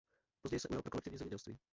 Později se ujal pro kolektivní zemědělství.